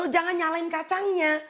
jangan nyalain kacangnya